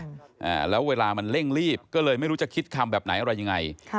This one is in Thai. อ่าแล้วเวลามันเร่งรีบก็เลยไม่รู้จะคิดคำแบบไหนอะไรยังไงค่ะ